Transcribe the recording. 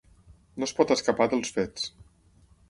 No es pot escapar dels fets.